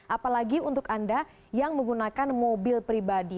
apalagi untuk anda yang menggunakan mobil pribadi